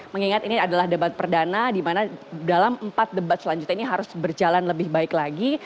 mengingat ini adalah debat perdana di mana dalam empat debat selanjutnya ini harus berjalan lebih baik lagi